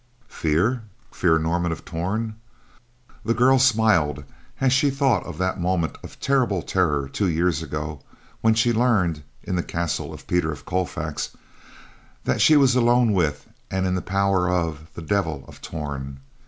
Fear? Fear Norman of Torn? The girl smiled as she thought of that moment of terrible terror two years ago when she learned, in the castle of Peter of Colfax, that she was alone with, and in the power of, the Devil of Torn.